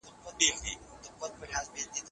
که په کمپیوټر کي سپېل چیکر وي نو تېروتني درته ښکاري.